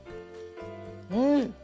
うん！